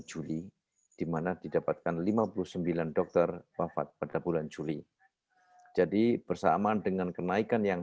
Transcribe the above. juli dimana didapatkan lima puluh sembilan dokter wafat pada bulan juli jadi bersamaan dengan kenaikan yang